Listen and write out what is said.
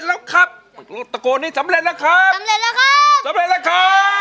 ยังไม่มีให้รักยังไม่มี